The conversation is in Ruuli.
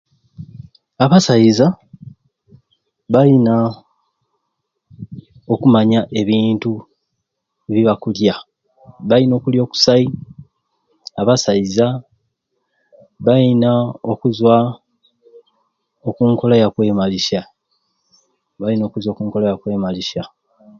Abasaiza balina okumanya ebintu byebakulya balina okulya okusai abasaiza balina okuzwa okunkola ya kwemalisya balina okuzwa oku nkola ya kwemalisya